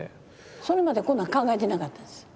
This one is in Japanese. それまでこんなん考えてなかったんです。